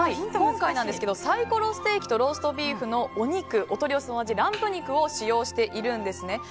今回、サイコロステーキとローストビーフはお肉、お取り寄せと同じランプ肉を使用しているんですね。